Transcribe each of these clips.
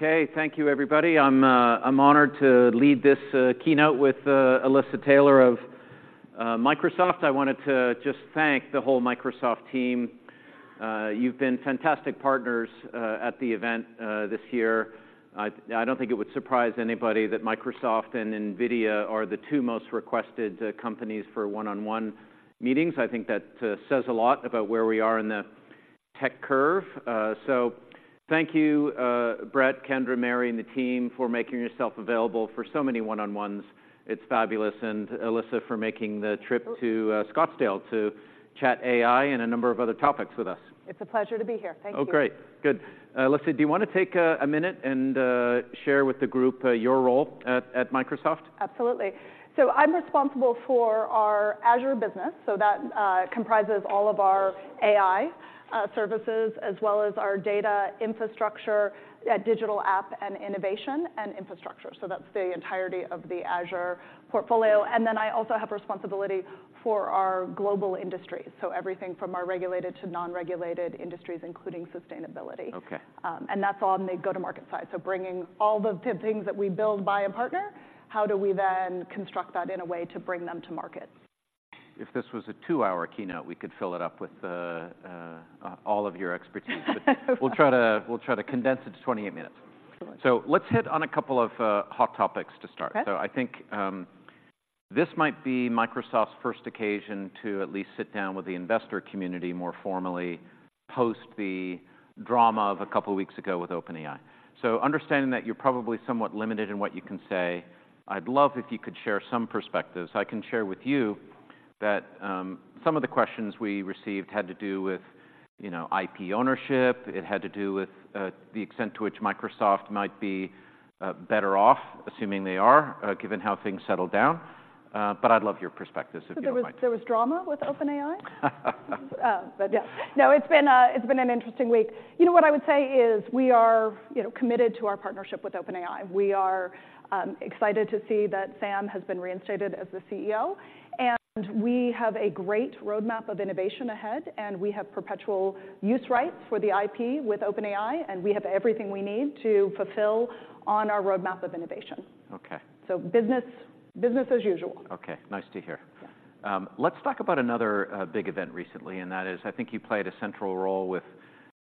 Okay, thank you, everybody. I'm honored to lead this keynote with Alysa Taylor of Microsoft. I wanted to just thank the whole Microsoft team. You've been fantastic partners at the event this year. I don't think it would surprise anybody that Microsoft and NVIDIA are the two most requested companies for one-on-one meetings. I think that says a lot about where we are in the tech curve. So thank you, Brett, Kendra, Mary, and the team for making yourself available for so many one-on-ones. It's fabulous, and Alysa, for making the trip to Scottsdale to chat AI and a number of other topics with us. It's a pleasure to be here. Thank you. Oh, great. Good. Alysa, do you wanna take a minute and share with the group your role at Microsoft? Absolutely. So I'm responsible for our Azure business, so that comprises all of our AI services, as well as our data infrastructure, digital app and innovation and infrastructure. So that's the entirety of the Azure portfolio. And then I also have responsibility for our global industry, so everything from our regulated to non-regulated industries, including sustainability. Okay. That's on the go-to-market side. Bringing all the things that we build, buy and partner, how do we then construct that in a way to bring them to market? If this was a two-hour keynote, we could fill it up with all of your expertise. But we'll try to condense it to 28 minutes. Excellent. Let's hit on a couple of hot topics to start. Okay. So I think, this might be Microsoft's first occasion to at least sit down with the investor community more formally, post the drama of a couple of weeks ago with OpenAI. So understanding that you're probably somewhat limited in what you can say, I'd love if you could share some perspectives. I can share with you that, some of the questions we received had to do with, you know, IP ownership. It had to do with, the extent to which Microsoft might be, better off, assuming they are, given how things settled down. But I'd love your perspective if you don't mind. So there was drama with OpenAI? But yeah. No, it's been an interesting week. You know, what I would say is we are, you know, committed to our partnership with OpenAI. We are excited to see that Sam has been reinstated as the CEO, and we have a great roadmap of innovation ahead, and we have perpetual use rights for the IP with OpenAI, and we have everything we need to fulfill on our roadmap of innovation. Okay. So business, business as usual. Okay. Nice to hear. Yeah. Let's talk about another big event recently, and that is, I think you played a central role with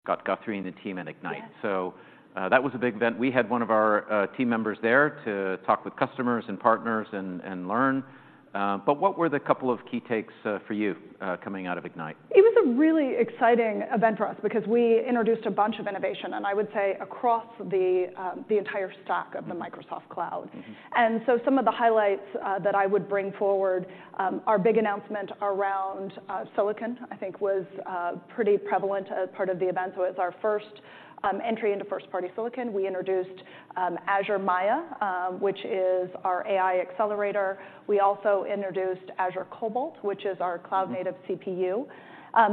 Scott Guthrie and the team at Ignite. Yeah. That was a big event. We had one of our team members there to talk with customers and partners and learn. But what were the couple of key takes for you coming out of Ignite? It was a really exciting event for us because we introduced a bunch of innovation, and I would say across the entire stack- Mm-hmm... of the Microsoft cloud. Mm-hmm. And so some of the highlights that I would bring forward, our big announcement around silicon, I think was pretty prevalent as part of the event. So it's our first entry into first-party silicon. We introduced Azure Maia, which is our AI accelerator. We also introduced Azure Cobalt, which is our cloud-... native CPU.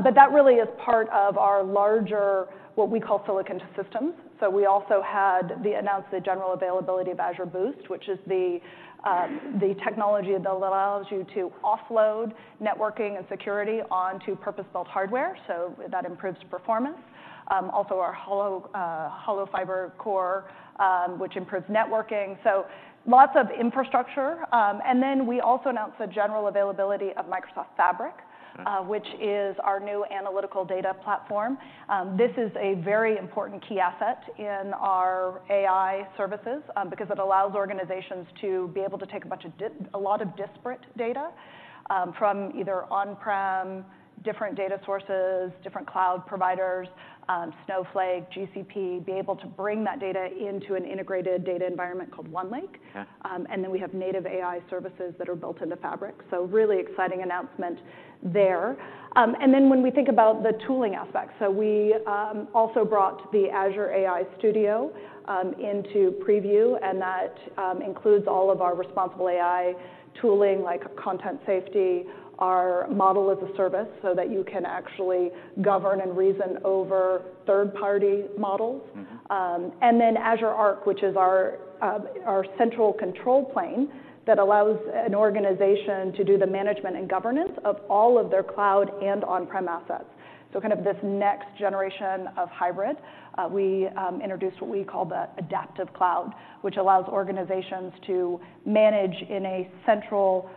But that really is part of our larger, what we call Silicon to Systems. So we also announced the general availability of Azure Boost, which is the technology that allows you to offload networking and security onto purpose-built hardware, so that improves performance. Also our hollow core fiber, which improves networking. So lots of infrastructure. And then we also announced the general availability of Microsoft Fabric-... which is our new analytical data platform. This is a very important key asset in our AI services, because it allows organizations to be able to take a bunch of a lot of disparate data, from either on-prem, different data sources, different cloud providers, Snowflake, GCP, be able to bring that data into an integrated data environment called OneLake. Yeah. And then we have native AI services that are built into Fabric. So really exciting announcement there. And then when we think about the tooling aspect, so we also brought the Azure AI Studio into preview, and that includes all of our responsible AI tooling, like content safety, our Model-as-a-Service, so that you can actually govern and reason over third-party models. And then Azure Arc, which is our, our central control plane, that allows an organization to do the management and governance of all of their cloud and on-prem assets. So kind of this next generation of hybrid, we introduced what we call the Adaptive Cloud, which allows organizations to manage in a central,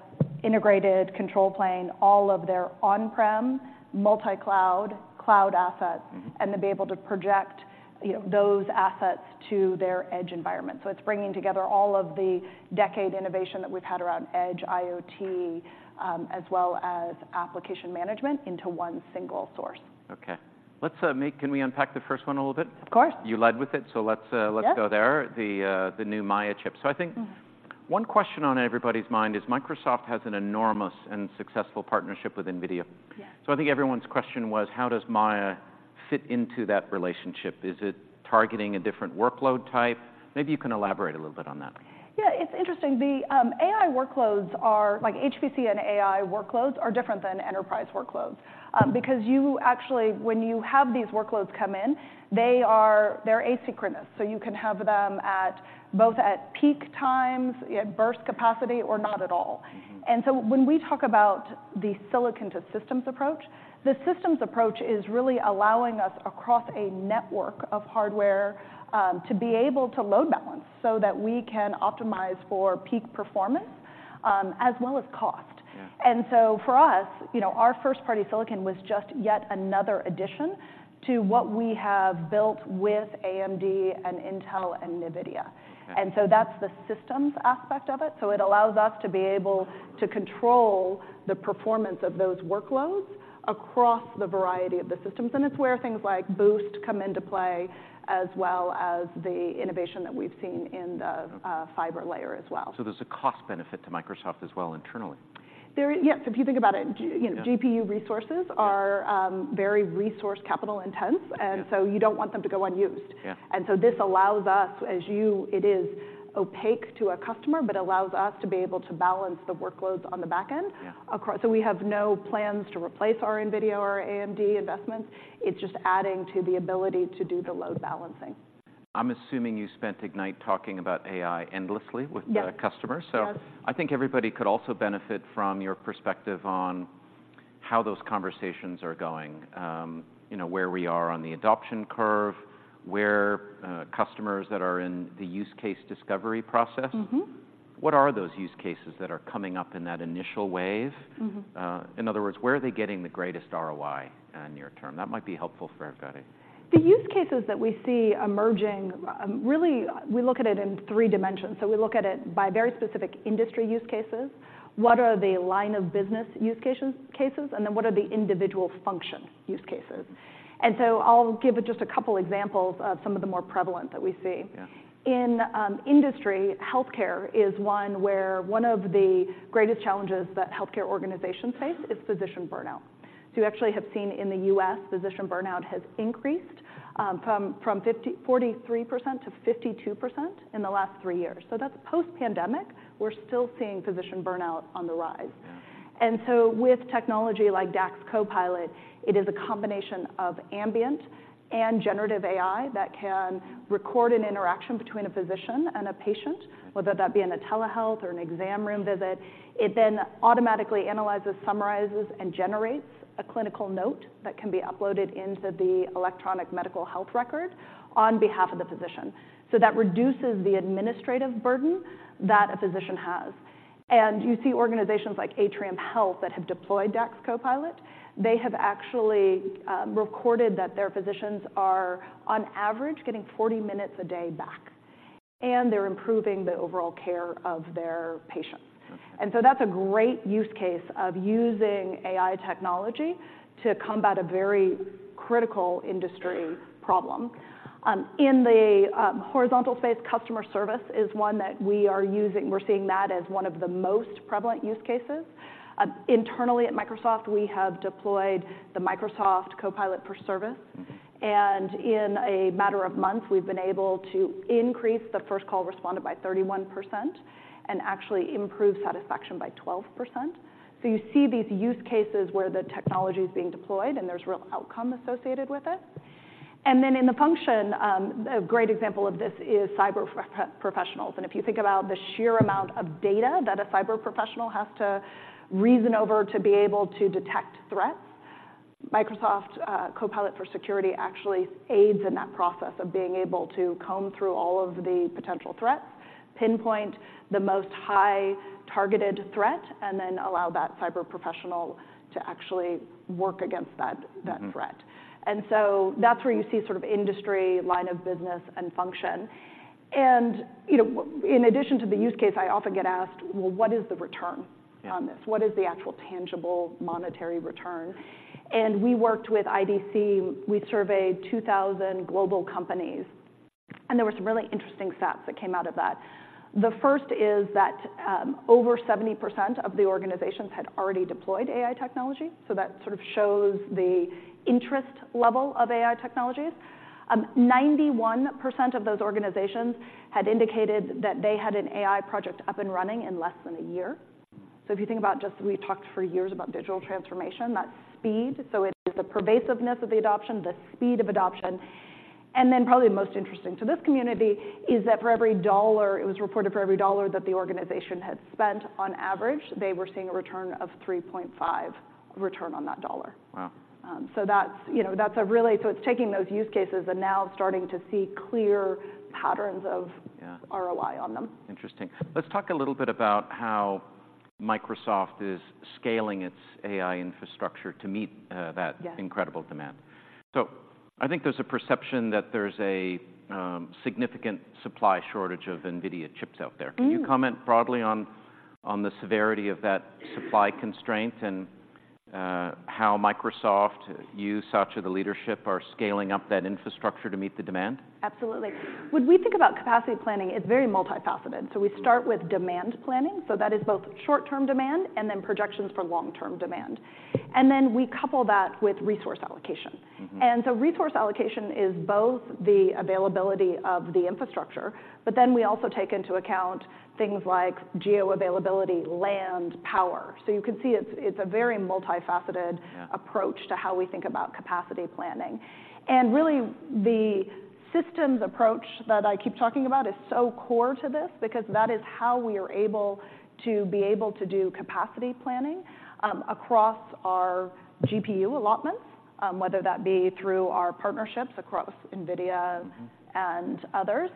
integrated control plane, all of their on-prem, multi-cloud, cloud assets- Mm-hmm... and to be able to project, you know, those assets to their edge environment. So it's bringing together all of the decade innovation that we've had around Edge, IoT, as well as application management into one single source. Okay. Let's unpack the first one a little bit? Of course. You led with it, so let's, Yeah... let's go there, the new Maia chip. Mm-hmm. I think one question on everybody's mind is Microsoft has an enormous and successful partnership with NVIDIA. Yeah. I think everyone's question was: how does Maia fit into that relationship? Is it targeting a different workload type? Maybe you can elaborate a little bit on that. Yeah, it's interesting. The AI workloads are—like, HPC and AI workloads are different than enterprise workloads. Mm. Because you actually, when you have these workloads come in, they are, they're asynchronous, so you can have them at, both at peak times, at burst capacity or not at all. Mm-hmm. When we talk about the Silicon to Systems approach, the systems approach is really allowing us across a network of hardware to be able to load balance so that we can optimize for peak performance, as well as cost. Yeah. And so for us, you know, our first-party silicon was just yet another addition to what we have built with AMD and Intel and NVIDIA. Okay. And so that's the systems aspect of it. So it allows us to be able to control the performance of those workloads across the variety of the systems, and it's where things like Boost come into play, as well as the innovation that we've seen in the- Okay fiber layer as well. There's a cost benefit to Microsoft as well internally? Yes, if you think about it. Yeah... you know, GPU resources are- Yeah Very resource capital intense- Yeah And so you don't want them to go unused. Yeah. And so this allows us, it is opaque to a customer, but allows us to be able to balance the workloads on the back end- Yeah So we have no plans to replace our NVIDIA or AMD investments. It's just adding to the ability to do the load balancing. I'm assuming you spent Ignite talking about AI endlessly with- Yes the customers. Yes. So I think everybody could also benefit from your perspective on how those conversations are going. You know, where we are on the adoption curve, where customers that are in the use case discovery process- Mm-hmm. What are those use cases that are coming up in that initial wave? Mm-hmm. In other words, where are they getting the greatest ROI on near-term? That might be helpful for everybody. The use cases that we see emerging, really, we look at it in three dimensions. So we look at it by very specific industry use cases. What are the line of business use cases, cases? And then, what are the individual function use cases? And so I'll give just a couple examples of some of the more prevalent that we see. Yeah. In industry, healthcare is one where one of the greatest challenges that healthcare organizations face is physician burnout. So you actually have seen in the U.S., physician burnout has increased from 43%-52% in the last three years. So that's post-pandemic, we're still seeing physician burnout on the rise. Yeah. With technology like DAX Copilot, it is a combination of ambient and generative AI that can record an interaction between a physician and a patient- Mm-hmm... whether that be in a telehealth or an exam room visit. It then automatically analyzes, summarizes, and generates a clinical note that can be uploaded into the electronic medical health record on behalf of the physician. So that reduces the administrative burden that a physician has. And you see organizations like Atrium Health that have deployed DAX Copilot. They have actually, recorded that their physicians are, on average, getting 40 minutes a day back, and they're improving the overall care of their patients. Okay. And so that's a great use case of using AI technology to combat a very critical industry problem. In the horizontal space, customer service is one that we are using. We're seeing that as one of the most prevalent use cases. Internally at Microsoft, we have deployed the Microsoft Copilot for Service. Mm-hmm. And in a matter of months, we've been able to increase the first call responded by 31% and actually improve satisfaction by 12%. So you see these use cases where the technology is being deployed, and there's real outcome associated with it. And then in the function, a great example of this is cyber professionals. And if you think about the sheer amount of data that a cyber professional has to reason over to be able to detect threats, Microsoft Copilot for Security actually aids in that process of being able to comb through all of the potential threats, pinpoint the most high targeted threat, and then allow that cyber professional to actually work against that- Mm-hmm... that threat. And so that's where you see sort of industry, line of business, and function. And, you know, in addition to the use case, I often get asked: Well, what is the return- Yeah on this? What is the actual tangible monetary return? And we worked with IDC. We surveyed 2,000 global companies, and there were some really interesting stats that came out of that. The first is that, over 70% of the organizations had already deployed AI technology, so that sort of shows the interest level of AI technologies. Ninety-one percent of those organizations had indicated that they had an AI project up and running in less than a year. Mm. So if you think about just we've talked for years about digital transformation, that's speed. So it is the pervasiveness of the adoption, the speed of adoption, and then probably the most interesting to this community is that for every $1—it was reported, for every $1 that the organization had spent, on average, they were seeing a return of 3.5 return on that $1. Wow! So that's, you know, that's a really... So it's taking those use cases and now starting to see clear patterns of- Yeah - ROI on them. Interesting. Let's talk a little bit about how Microsoft is scaling its AI infrastructure to meet, that- Yeah incredible demand. So I think there's a significant supply shortage of NVIDIA chips out there. Mm. Can you comment broadly on the severity of that supply constraint and how Microsoft, you, Satya, the leadership, are scaling up that infrastructure to meet the demand? Absolutely. When we think about capacity planning, it's very multifaceted. Mm. We start with demand planning, so that is both short-term demand and then projections for long-term demand. Then we couple that with resource allocation. Mm-hmm. And so resource allocation is both the availability of the infrastructure, but then we also take into account things like geo availability, land, power. So you can see it's a very multifaceted- Yeah - approach to how we think about capacity planning. And really, the systems approach that I keep talking about is so core to this because that is how we are able to be able to do capacity planning, across our GPU allotments, whether that be through our partnerships across NVIDIA- Mm-hmm... and others....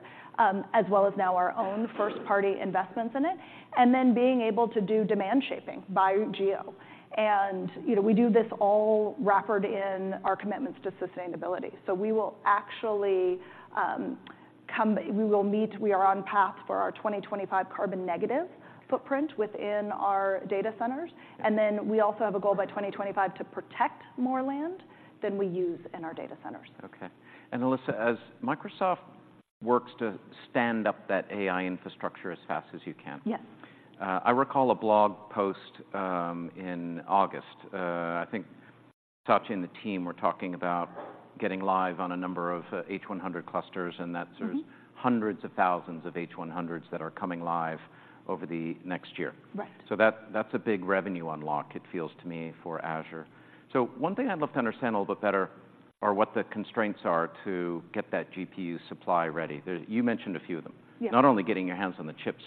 as well as now our own first-party investments in it, and then being able to do demand shaping by geo. And, you know, we do this all wrapped in our commitments to sustainability. So we will actually, we are on path for our 2025 carbon negative footprint within our data centers, and then we also have a goal by 2025 to protect more land than we use in our data centers. Okay. And Alysa, as Microsoft works to stand up that AI infrastructure as fast as you can- Yes. I recall a blog post in August. I think Satya and the team were talking about getting live on a number of H100 clusters, and that- Mm-hmm... there's hundreds of thousands of H100s that are coming live over the next year. Right. So that, that's a big revenue unlock, it feels to me, for Azure. So one thing I'd love to understand a little bit better are what the constraints are to get that GPU supply ready. You mentioned a few of them. Yeah. Not only getting your hands on the chips,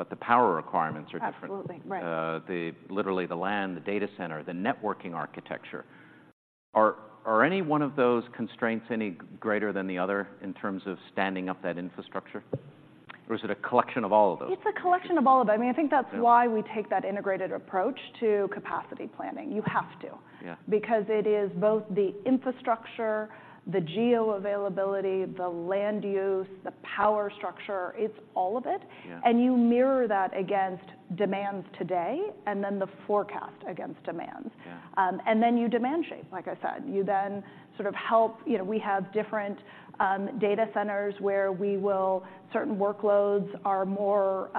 but the power requirements are different. Absolutely. Right. Literally the land, the data center, the networking architecture. Are any one of those constraints any greater than the other in terms of standing up that infrastructure? Or is it a collection of all of those? It's a collection of all of them. I mean, I think that's- Yeah... why we take that integrated approach to capacity planning. You have to. Yeah. Because it is both the infrastructure, the geo availability, the land use, the power structure. It's all of it. Yeah. You mirror that against demands today, and then the forecast against demands. Yeah. And then you demand shape, like I said. You then sort of help... You know, we have different data centers where certain workloads are more,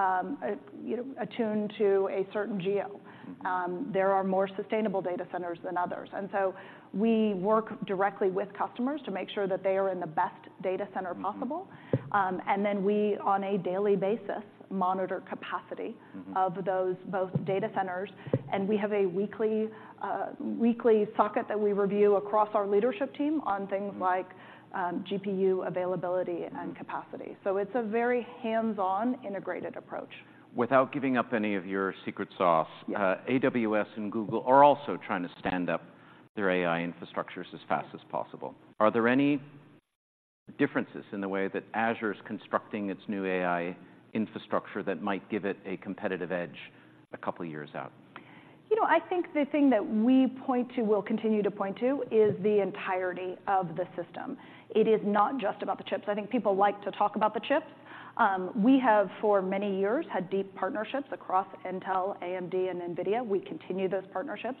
you know, attuned to a certain geo. Mm-hmm. There are more sustainable data centers than others, and so we work directly with customers to make sure that they are in the best data center possible. Mm-hmm. And then we, on a daily basis, monitor capacity. Mm-hmm... of those, both data centers, and we have a weekly socket that we review across our leadership team on things- Mm-hmm... like, GPU availability and capacity. So it's a very hands-on, integrated approach. Without giving up any of your secret sauce- Yeah... AWS and Google are also trying to stand up their AI infrastructures as fast as possible. Are there any differences in the way that Azure is constructing its new AI infrastructure that might give it a competitive edge a couple of years out? You know, I think the thing that we point to, we'll continue to point to, is the entirety of the system. It is not just about the chips. I think people like to talk about the chips. We have, for many years, had deep partnerships across Intel, AMD, and NVIDIA. We continue those partnerships.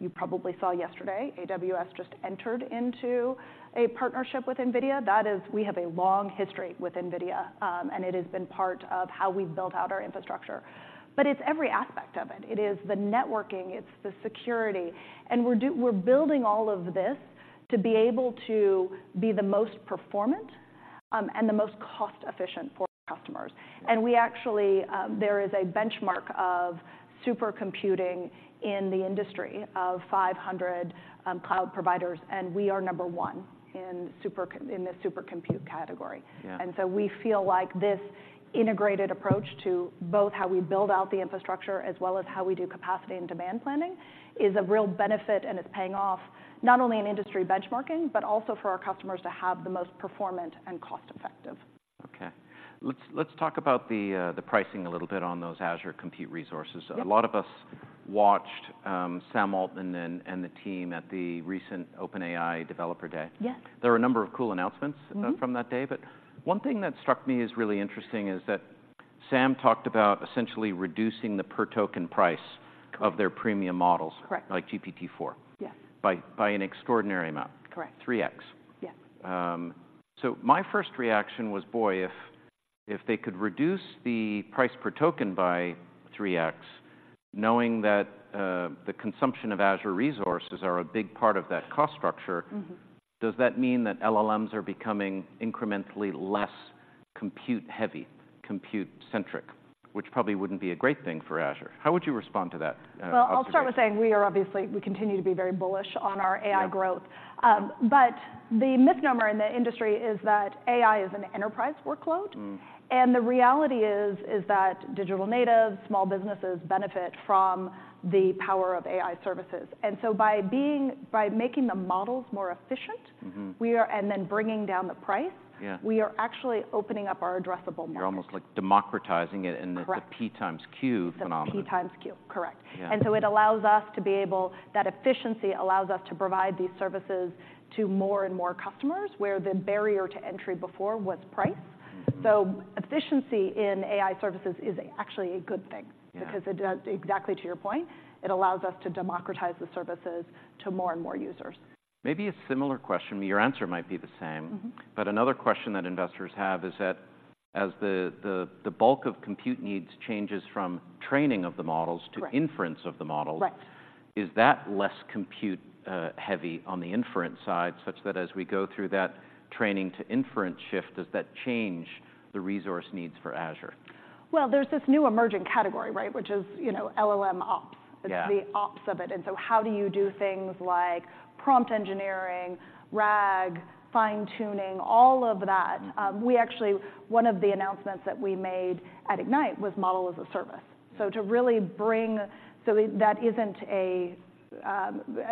You probably saw yesterday, AWS just entered into a partnership with NVIDIA. That is, we have a long history with NVIDIA, and it has been part of how we've built out our infrastructure. But it's every aspect of it. It is the networking, it's the security, and we're building all of this to be able to be the most performant, and the most cost-efficient for customers. Right. And we actually, there is a benchmark of supercomputing in the industry of 500 cloud providers, and we are number one in the supercomputing category. Yeah. And so we feel like this integrated approach to both how we build out the infrastructure as well as how we do capacity and demand planning, is a real benefit, and it's paying off not only in industry benchmarking, but also for our customers to have the most performant and cost-effective. Okay. Let's talk about the pricing a little bit on those Azure compute resources. Yeah. A lot of us watched Sam Altman and the team at the recent OpenAI Developer Day. Yes. There were a number of cool announcements- Mm-hmm... from that day, but one thing that struck me as really interesting is that Sam talked about essentially reducing the per-token price of their premium models- Correct... like GPT-4. Yes. By an extraordinary amount. Correct. Three X. Yes. So my first reaction was, boy, if they could reduce the price per token by 3x, knowing that the consumption of Azure resources are a big part of that cost structure- Mm-hmm... does that mean that LLMs are becoming incrementally less compute-heavy, compute-centric? Which probably wouldn't be a great thing for Azure. How would you respond to that, observation? Well, I'll start by saying we are obviously, we continue to be very bullish on our AI growth. Yeah. But the misnomer in the industry is that AI is an enterprise workload. Mm. The reality is, is that digital natives, small businesses, benefit from the power of AI services. And so by being, by making the models more efficient- Mm-hmm... we are, and then bringing down the price- Yeah... we are actually opening up our addressable market. You're almost, like, democratizing it- Correct... in the P times Q phenomenon. The P times Q, correct. Yeah. And so it allows us to be able. That efficiency allows us to provide these services to more and more customers, where the barrier to entry before was price. Mm-hmm. Efficiency in AI services is actually a good thing. Yeah... because it, exactly to your point, it allows us to democratize the services to more and more users. Maybe a similar question, your answer might be the same. Mm-hmm. Another question that investors have is that, as the bulk of compute needs changes from training of the models- Correct... to inference of the model- Right... is that less compute, heavy on the inference side, such that as we go through that training to inference shift, does that change the resource needs for Azure? Well, there's this new emerging category, right? Which is, you know, LLMOps. Yeah. It's the ops of it, and so how do you do things like prompt engineering, RAG, fine-tuning, all of that? Mm-hmm. We actually, one of the announcements that we made at Ignite was Model-as-a-Service. So to really bring-- So that isn't a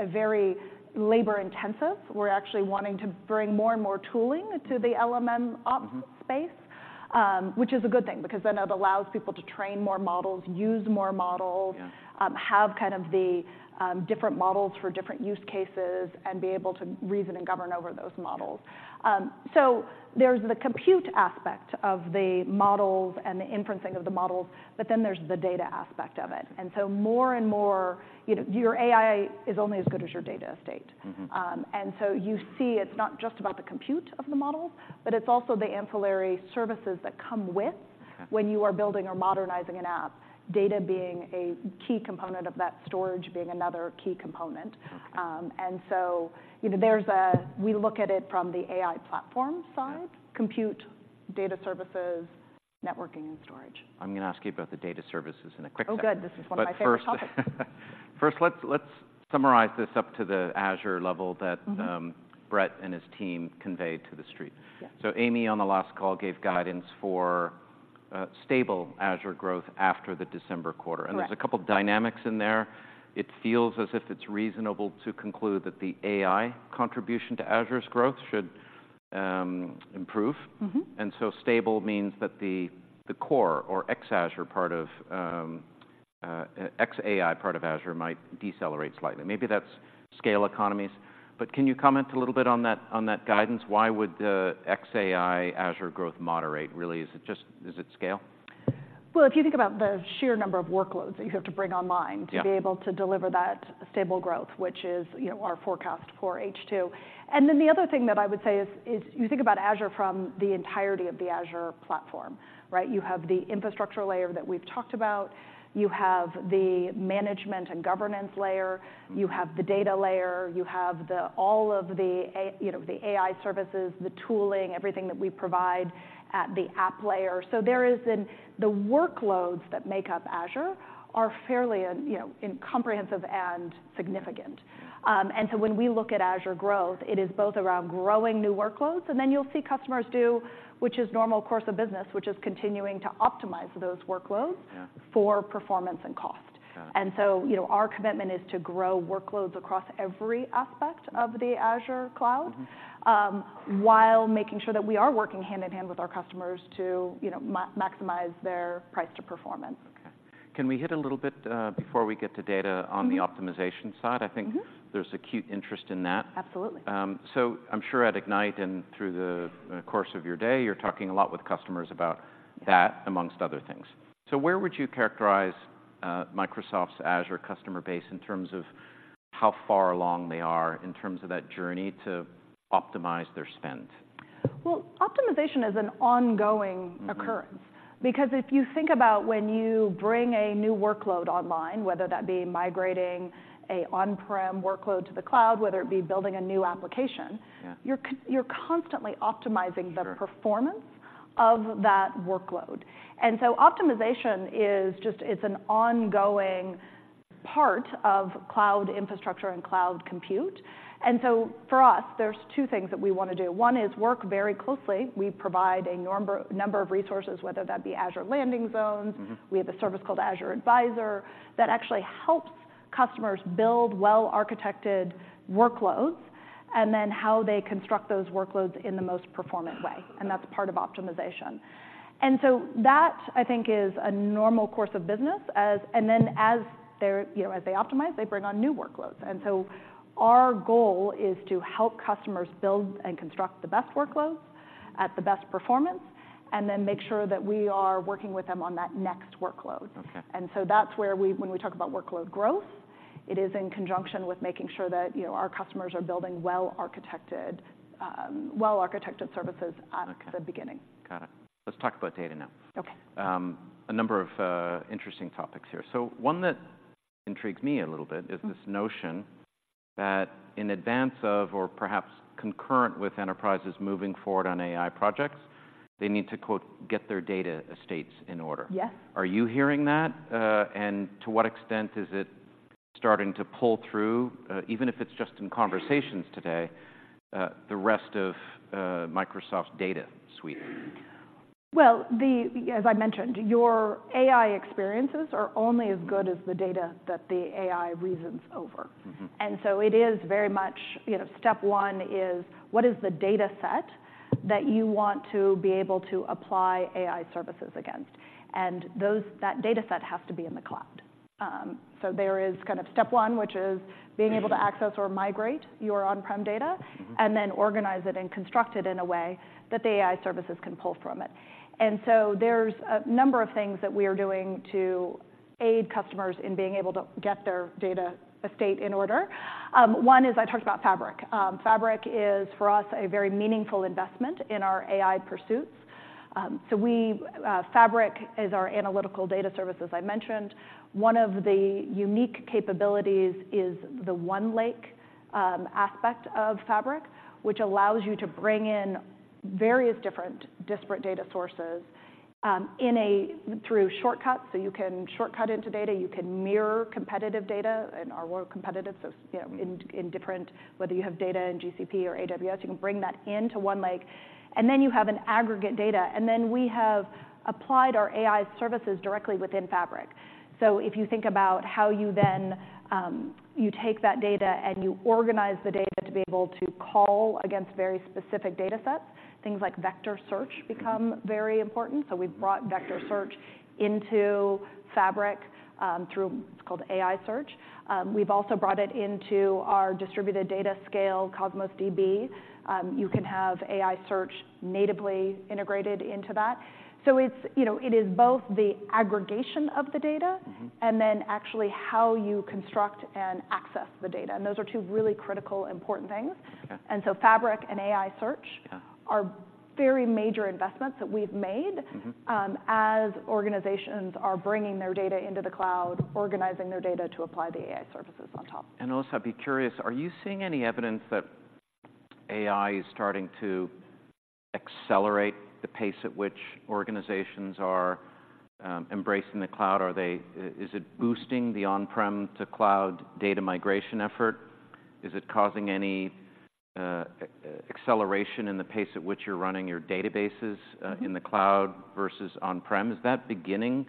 very labor-intensive. We're actually wanting to bring more and more tooling to the LLM ops space, which is a good thing, because then it allows people to train more models, use more models- Yeah. have kind of the different models for different use cases, and be able to reason and govern over those models. So there's the compute aspect of the models and the inferencing of the models, but then there's the data aspect of it. And so more and more, you know, your AI is only as good as your data estate. Mm-hmm. and so you see it's not just about the compute of the model, but it's also the ancillary services that come with- Okay When you are building or modernizing an app, data being a key component of that, storage being another key component. Okay. You know, we look at it from the AI platform side. Yeah... compute, data services, networking, and storage. I'm gonna ask you about the data services in a quick second. Oh, good. This is one of my favorite topics. But first, let's summarize this up to the Azure level that, Mm-hmm... Brett and his team conveyed to the street. Yeah. Amy, on the last call, gave guidance for stable Azure growth after the December quarter. Correct. There's a couple dynamics in there. It feels as if it's reasonable to conclude that the AI contribution to Azure's growth should improve. Mm-hmm. And so stable means that the core or ex-Azure part of ex-AI part of Azure might decelerate slightly. Maybe that's scale economies, but can you comment a little bit on that, on that guidance? Why would the ex-AI Azure growth moderate, really? Is it just, is it scale? Well, if you think about the sheer number of workloads that you have to bring online- Yeah... to be able to deliver that stable growth, which is, you know, our forecast for H2. And then the other thing that I would say is you think about Azure from the entirety of the Azure platform, right? You have the infrastructure layer that we've talked about. You have the management and governance layer. You have the data layer. You have the, all of the, you know, the AI services, the tooling, everything that we provide at the app layer. So there is. The workloads that make up Azure are fairly, you know, comprehensive and significant. And so when we look at Azure growth, it is both around growing new workloads, and then you'll see customers do, which is normal course of business, which is continuing to optimize those workloads- Yeah... for performance and cost. Yeah. So, you know, our commitment is to grow workloads across every aspect of the Azure cloud. Mm-hmm... while making sure that we are working hand-in-hand with our customers to, you know, maximize their price to performance. Okay. Can we hit a little bit before we get to data- Mm-hmm... on the optimization side? Mm-hmm. I think there's acute interest in that. Absolutely. So I'm sure at Ignite and through the course of your day, you're talking a lot with customers about that, amongst other things. So where would you characterize Microsoft's Azure customer base in terms of how far along they are in terms of that journey to optimize their spend? Well, optimization is an ongoing occurrence. Mm-hmm. Because if you think about when you bring a new workload online, whether that be migrating an on-prem workload to the cloud, whether it be building a new application- Yeah... you're constantly optimizing- Sure... the performance of that workload. And so optimization is just, it's an ongoing part of cloud infrastructure and cloud compute. And so for us, there's two things that we wanna do. One is work very closely. We provide a number, number of resources, whether that be Azure Landing Zones. Mm-hmm. We have a service called Azure Advisor that actually helps customers build well-architected workloads, and then how they construct those workloads in the most performant way, and that's part of optimization. And so that, I think, is a normal course of business as... And then as they're, you know, as they optimize, they bring on new workloads. And so our goal is to help customers build and construct the best workloads at the best performance, and then make sure that we are working with them on that next workload. Okay. And so that's where we, when we talk about workload growth, it is in conjunction with making sure that, you know, our customers are building well-architected, well-architected services- Okay... at the beginning. Got it. Let's talk about data now. Okay. A number of interesting topics here. So one that intrigues me a little bit- Mm... is this notion that in advance of, or perhaps concurrent with enterprises moving forward on AI projects, they need to, quote, "get their data estates in order. Yes. Are you hearing that? To what extent is it starting to pull through, even if it's just in conversations today, the rest of Microsoft's data suite? Well, as I mentioned, your AI experiences are only as good as the data that the AI reasons over. Mm-hmm. And so it is very much, you know, step one is: What is the data set that you want to be able to apply AI services against? And those, that data set has to be in the cloud. So there is kind of step one, which is- Right... being able to access or migrate your on-prem data- Mm-hmm... and then organize it and construct it in a way that the AI services can pull from it. And so there's a number of things that we are doing to aid customers in being able to get their data estate in order. One is, I talked about Fabric. Fabric is, for us, a very meaningful investment in our AI pursuits. Fabric is our analytical data service, as I mentioned. One of the unique capabilities is the OneLake aspect of Fabric, which allows you to bring in various different disparate data sources-... through shortcuts, so you can shortcut into data, you can mirror competitive data and our world competitive, so, you know, in different, whether you have data in GCP or AWS, you can bring that into OneLake, and then you have an aggregate data, and then we have applied our AI services directly within Fabric. So if you think about how you then, you take that data and you organize the data to be able to call against very specific data sets, things like vector search become very important. So we've brought vector search into Fabric, through, it's called AI Search. We've also brought it into our distributed data scale, Cosmos DB. You can have AI search natively integrated into that. So it's, you know, it is both the aggregation of the data- Mm-hmm. and then actually how you construct and access the data, and those are two really critical, important things. Okay. Fabric and AI Search- Yeah... are very major investments that we've made- Mm-hmm As organizations are bringing their data into the cloud, organizing their data to apply the AI services on top. And also, I'd be curious, are you seeing any evidence that AI is starting to accelerate the pace at which organizations are embracing the cloud? Is it boosting the on-prem to cloud data migration effort? Is it causing any acceleration in the pace at which you're running your databases in the cloud? Mm-hmm... versus on-prem? Is that beginning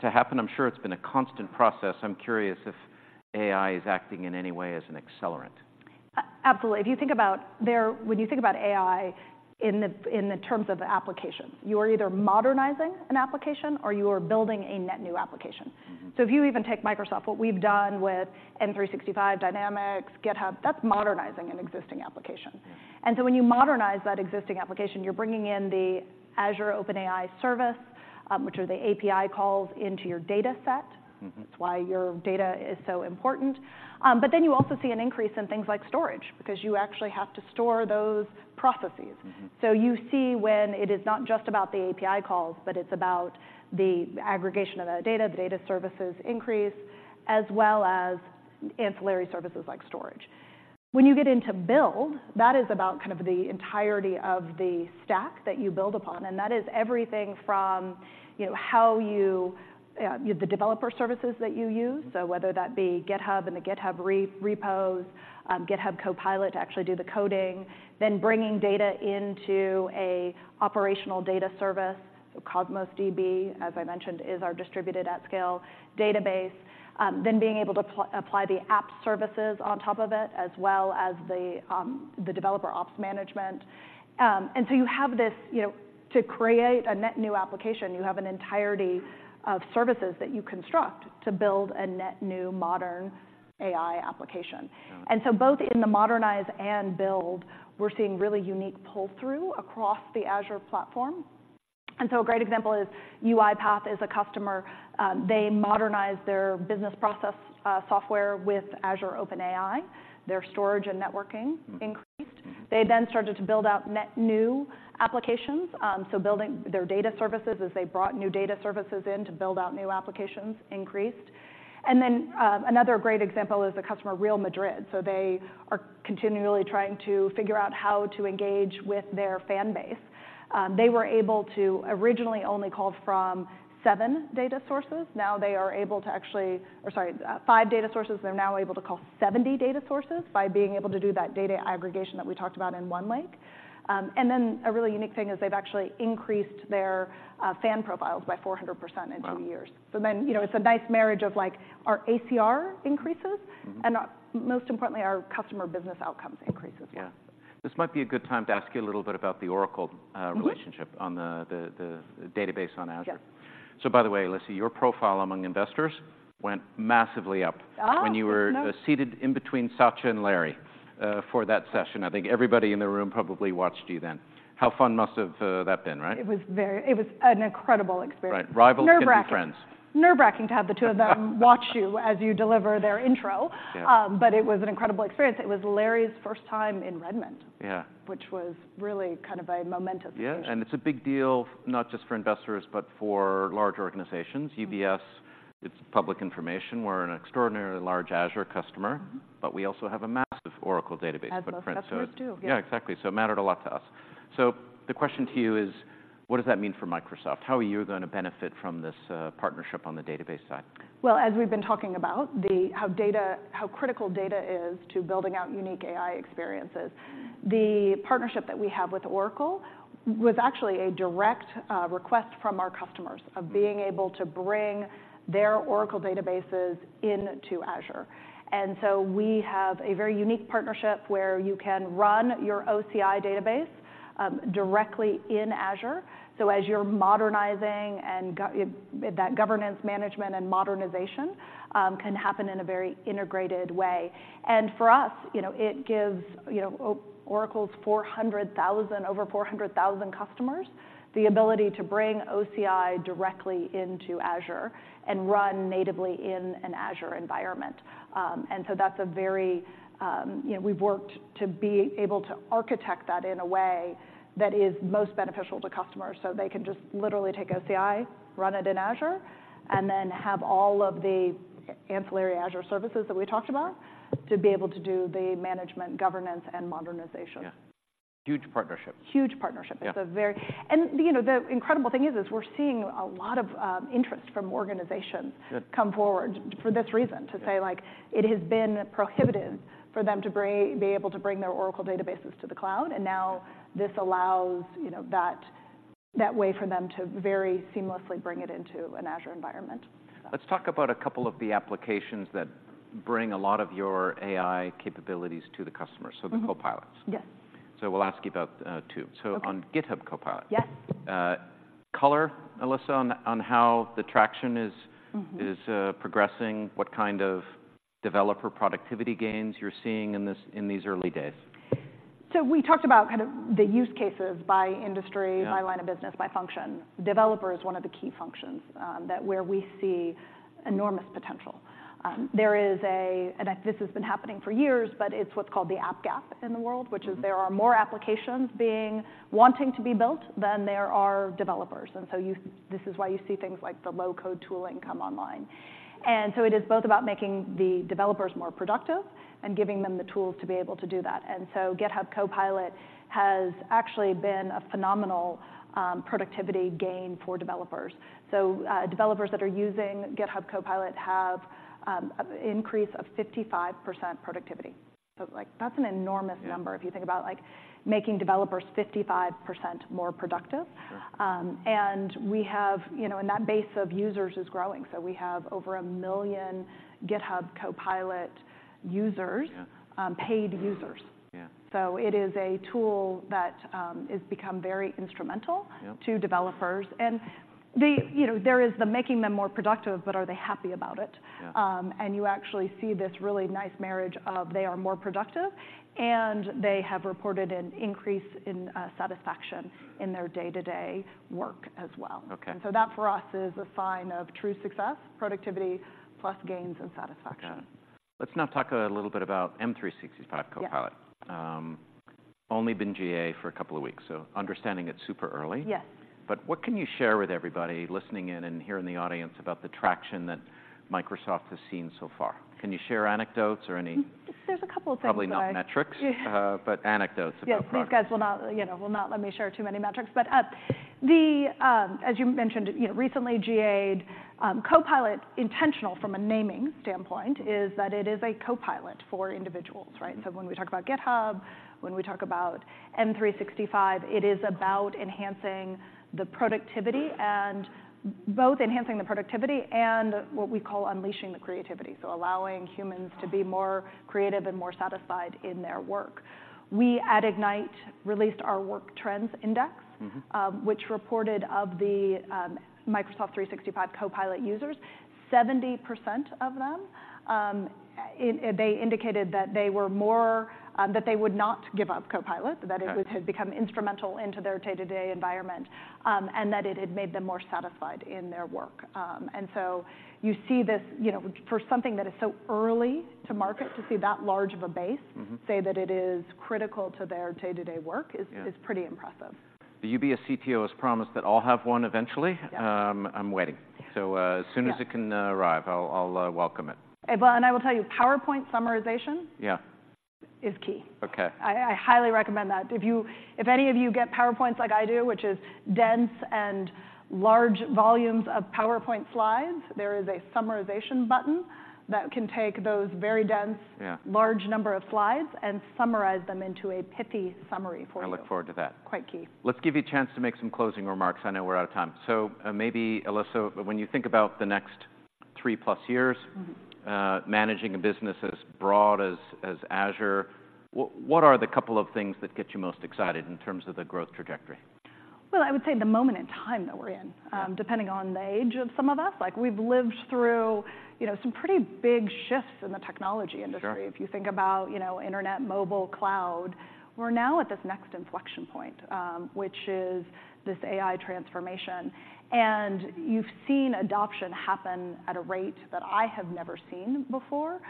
to happen? Yeah. I'm sure it's been a constant process. I'm curious if AI is acting in any way as an accelerant. Absolutely. If you think about, when you think about AI in the terms of the application, you are either modernizing an application or you are building a net new application. Mm-hmm. If you even take Microsoft, what we've done with M365, Dynamics, GitHub, that's modernizing an existing application. Yeah. When you modernize that existing application, you're bringing in the Azure OpenAI Service, which are the API calls into your data set. Mm-hmm. That's why your data is so important. But then you also see an increase in things like storage, because you actually have to store those processes. Mm-hmm. So you see when it is not just about the API calls, but it's about the aggregation of that data, the data services increase, as well as ancillary services like storage. When you get into build, that is about kind of the entirety of the stack that you build upon, and that is everything from, you know, the developer services that you use. So whether that be GitHub and the GitHub repos, GitHub Copilot to actually do the coding, then bringing data into an operational data service. Cosmos DB, as I mentioned, is our distributed at scale database. Then being able to apply the app services on top of it, as well as the developer ops management. You have this, you know, to create a net new application, you have an entirety of services that you construct to build a net new modern AI application. Yeah. And so both in the modernize and build, we're seeing really unique pull-through across the Azure platform. And so a great example is UiPath is a customer. They modernize their business process software with Azure OpenAI. Their storage and networking increased. Mm-hmm. They then started to build out net new applications, so building their data services as they brought new data services in to build out new applications increased. Another great example is the customer, Real Madrid. They are continually trying to figure out how to engage with their fan base. They were able to originally only call from five data sources. Now, they are able to call 70 data sources by being able to do that data aggregation that we talked about in OneLake. A really unique thing is they've actually increased their fan profiles by 400% in two years. Wow! So then, you know, it's a nice marriage of, like, our ACR increases- Mm-hmm... and, most importantly, our customer business outcomes increases. Yeah. This might be a good time to ask you a little bit about the Oracle relationship- Mm-hmm... on the database on Azure. Yeah. By the way, let's see, your profile among investors went massively up- Ah, good to know.... when you were seated in between Satya and Larry for that session. I think everybody in the room probably watched you then. How fun must have that been, right? It was an incredible experience. Right. Rivals and friends. Nerve-wracking. Nerve-wracking to have the two of them watch you as you deliver their intro. Yeah. But it was an incredible experience. It was Larry's first time in Redmond. Yeah... which was really kind of a momentous occasion. Yeah, and it's a big deal, not just for investors, but for larger organizations. Mm-hmm. UBS, it's public information, we're an extraordinarily large Azure customer- Mm-hmm... but we also have a massive Oracle database- As well as customers, too. Yeah, exactly. So it mattered a lot to us. So the question to you is: What does that mean for Microsoft? How are you gonna benefit from this, partnership on the database side? Well, as we've been talking about, how critical data is to building out unique AI experiences, the partnership that we have with Oracle was actually a direct request from our customers of being able to bring their Oracle databases into Azure. And so we have a very unique partnership where you can run your OCI database directly in Azure. So as you're modernizing, that governance management and modernization can happen in a very integrated way. And for us, you know, it gives, you know, Oracle's over 400,000 customers, the ability to bring OCI directly into Azure and run natively in an Azure environment. And so that's a very... You know, we've worked to be able to architect that in a way that is most beneficial to customers, so they can just literally take OCI, run it in Azure, and then have all of the ancillary Azure services that we talked about to be able to do the management, governance, and modernization. Yeah... Huge partnership. Huge partnership. Yeah. And, you know, the incredible thing is, is we're seeing a lot of interest from organizations- Good come forward for this reason, to say, like, it has been prohibitive for them to bring, be able to bring their Oracle databases to the cloud, and now this allows, you know, that, that way for them to very seamlessly bring it into an Azure environment. Let's talk about a couple of the applications that bring a lot of your AI capabilities to the customer- Mm-hmm. So the Copilots. Yes. We'll ask you about two. Okay. So on GitHub Copilot- Yes... color, Alysa, on how the traction is- Mm-hmm is progressing, what kind of developer productivity gains you're seeing in this, in these early days? We talked about kind of the use cases by industry. Yeah -by line of business, by function. Developer is one of the key functions, that where we see enormous potential. There is a, and this has been happening for years, but it's what's called the app gap in the world- Mm-hmm -which is there are more applications being wanting to be built than there are developers, and so you, this is why you see things like the low-code tooling come online. And so it is both about making the developers more productive and giving them the tools to be able to do that, and so GitHub Copilot has actually been a phenomenal productivity gain for developers. So, developers that are using GitHub Copilot have an increase of 55% productivity. So, like, that's an enormous number- Yeah If you think about, like, making developers 55% more productive. Sure. And we have, you know, and that base of users is growing, so we have over a million GitHub Copilot users- Yeah... paid users. Yeah. It is a tool that has become very instrumental- Yeah to developers. And the, you know, there is the making them more productive, but are they happy about it? Yeah. You actually see this really nice marriage of they are more productive, and they have reported an increase in satisfaction in their day-to-day work as well. Okay. And so that, for us, is a sign of true success, productivity plus gains and satisfaction. Yeah. Let's now talk a little bit about M365 Copilot. Yeah. Only been GA for a couple of weeks, so understanding it's super early- Yes ... but what can you share with everybody listening in and here in the audience about the traction that Microsoft has seen so far? Can you share anecdotes or any- There's a couple of things that I- Probably not metrics- Yeah But anecdotes about the product. Yes, these guys will not, you know, will not let me share too many metrics. But, the, as you mentioned, you know, recently GA'd, Copilot, intentional from a naming standpoint, is that it is a copilot for individuals, right? So when we talk about GitHub, when we talk about M365, it is about enhancing the productivity and both enhancing the productivity and what we call unleashing the creativity, so allowing humans to be more creative and more satisfied in their work. We, at Ignite, released our Work Trend Index- Mm-hmm... which reported of the Microsoft 365 Copilot users, 70% of them, they indicated that they were more, that they would not give up Copilot- Okay... that it had become instrumental into their day-to-day environment, and that it had made them more satisfied in their work. And so you see this, you know, for something that is so early to market, to see that large of a base- Mm-hmm say that it is critical to their day-to-day work Yeah... is pretty impressive. The UBS CTO has promised that I'll have one eventually. Yeah. I'm waiting. Yeah. So, as soon as it can arrive, I'll welcome it. Well, and I will tell you, PowerPoint summarization- Yeah -is key. Okay. I highly recommend that. If any of you get PowerPoints like I do, which is dense and large volumes of PowerPoint slides, there is a summarization button that can take those very dense- Yeah large number of slides and summarize them into a pithy summary for you. I look forward to that. Quite key. Let's give you a chance to make some closing remarks. I know we're out of time. So, maybe, Alysa, when you think about the next three-plus years- Mm-hmm ... managing a business as broad as Azure, what are the couple of things that get you most excited in terms of the growth trajectory? Well, I would say the moment in time that we're in. Yeah. Depending on the age of some of us, like, we've lived through, you know, some pretty big shifts in the technology industry. Sure. If you think about, you know, internet, mobile, cloud, we're now at this next inflection point, which is this AI transformation, and you've seen adoption happen at a rate that I have never seen before,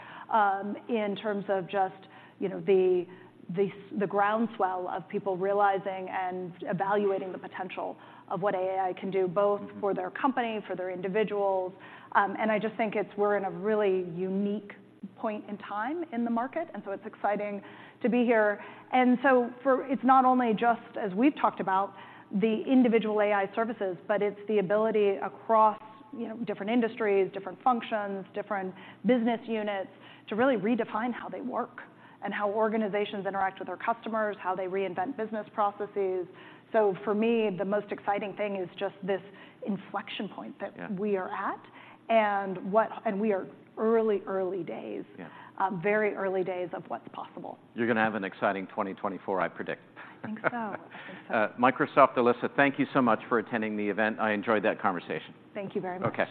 in terms of just, you know, the groundswell of people realizing and evaluating the potential of what AI can do- Mm-hmm -both for their company, for their individuals. And I just think we're in a really unique point in time in the market, and so it's exciting to be here. And so for... It's not only just, as we've talked about, the individual AI services, but it's the ability across, you know, different industries, different functions, different business units, to really redefine how they work and how organizations interact with their customers, how they reinvent business processes. So for me, the most exciting thing is just this inflection point that- Yeah... we are at, and we are early, early days- Yeah... very early days of what's possible. You're gonna have an exciting 2024, I predict. I think so. I think so. Microsoft, Alysa, thank you so much for attending the event. I enjoyed that conversation. Thank you very much. Okay.